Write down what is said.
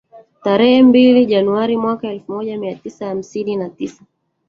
Tarehe mbili Januari mwaka elfu moja mia tisa hamsini na tisa